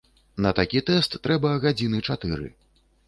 На такі тэст трэба гадзіны чатыры.